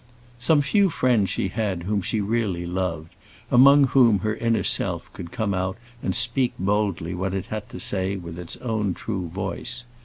Some few friends she had whom she really loved, among whom her inner self could come out and speak boldly what it had to say with its own true voice.